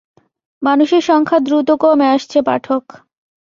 মানুষের সংখ্যা দ্রুত কমে আসছে পাঠক।